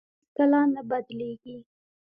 هېڅ کله نه بدلېږي.